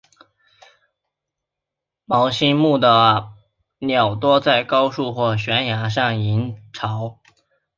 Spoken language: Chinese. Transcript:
隼形目的鸟多在高树或悬崖上营巢。